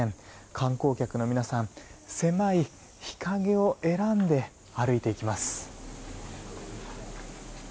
観光客の皆さん狭い日陰を選んで歩いていきます。